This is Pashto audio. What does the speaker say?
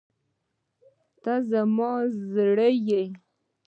ته زما زړه یې.